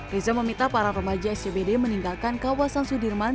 riza meminta para remaja scbd meninggalkan kawasan sudirman